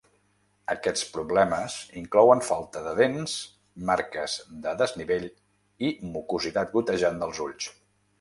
Aquests problemes inclouen falta de dents, marques de desnivell i mucositat gotejant dels ulls.